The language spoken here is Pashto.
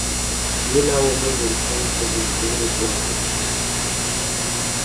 هیله او امید انسان ته د ژوند کولو ځواک ورکوي.